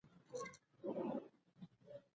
دا ارګانیزمونه په خوسا شوي غذایي موادو ژوند کوي.